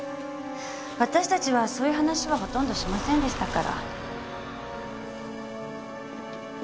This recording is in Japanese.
私たちはそういう話はほとんどしませんでしたから。